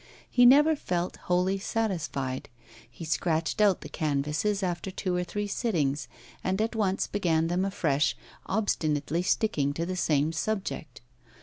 He never felt wholly satisfied; he scratched out the canvases after two or three sittings, and at once began them afresh, obstinately sticking to the same subject.